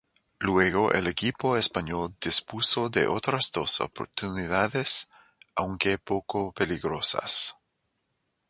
Luego el equipo español dispuso de otras dos oportunidades, aunque poco peligrosas.